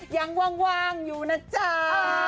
ยังว่างอยู่นะจ๊ะ